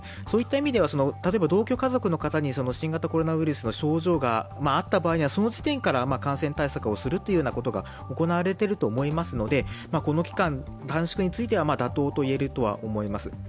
そういった意味では、同居家族の方に新型コロナウイルスの症状があった場合にはその時点から感染対策をするということが行われていると思いますので、この期間短縮については妥当と言えるかなと思います。